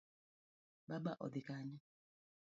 Baba odhi Kanye?